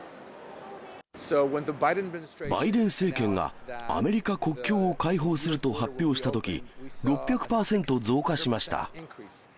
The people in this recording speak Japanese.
バイデン政権が、アメリカ国境を開放すると発表したとき、６００％増加しました。